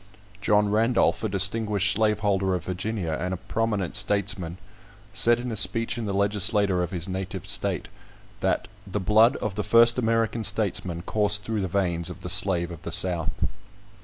John Randolph, a distinguished slaveholder of Virginia, and a prominent statesman, said in a speech in the legislature of his native state, that "the blood of the first American statesmen coursed through the veins of the slave of the South."